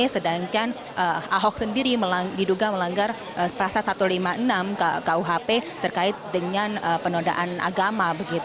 sedangkan ahok sendiri diduga melanggar prasa satu ratus lima puluh enam kuhp terkait dengan penodaan agama